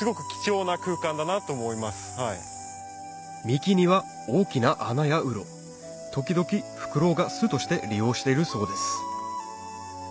幹には大きな穴や洞時々フクロウが巣として利用しているそうです